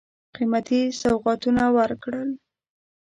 قېمتي سوغاتونه ورکړل.